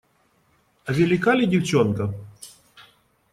А велика ли девчонка?